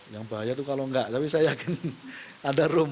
yang bahaya itu kalau enggak tapi saya yakin ada room